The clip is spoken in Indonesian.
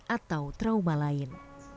atau trauma lain